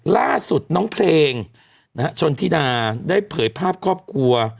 ล่าสุดน้องเพลงชนธิดาได้เผยภาพครอบครัว